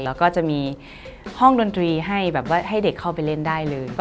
แล้วก็จะมีห้องดนตรีให้เด็กเข้าไปเล่นได้เลย